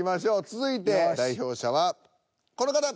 続いて代表者はこの方！